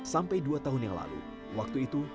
sampai dua tahun yang lalu waktu itu